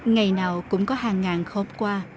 ngày nào cũng có hàng ngàn khóm qua